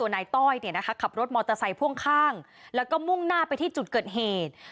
นายต้อยขับรถมอเตอร์ไซค์พ่วงข้างแล้วก็มุ่งหน้าไปที่จุดเกิดเหตุ